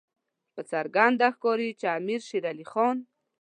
په څرګنده ښکاري چې امیر شېر علي خان.